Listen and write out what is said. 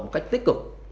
một cách tích cực